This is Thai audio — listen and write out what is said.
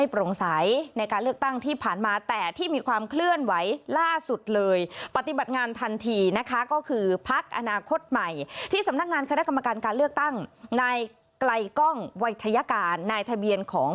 พวกเขาไม่สามารถสร้างผลการเลือกตั้ง